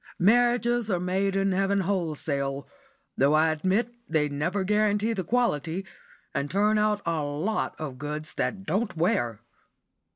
Marriages are made in heaven wholesale, though I admit they never guarantee the quality, and turn out a lot of goods that don't wear.